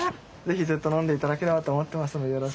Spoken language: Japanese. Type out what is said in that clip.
ぜひずっと飲んでいただければと思ってますので。